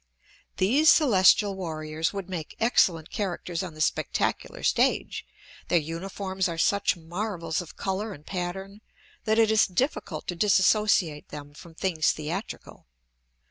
These Celestial warriors would make excellent characters on the spectacular stage; their uniforms are such marvels of color and pattern that it is difficult to disassociate them from things theatrical.